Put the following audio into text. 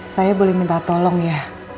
saya boleh minta tolong ya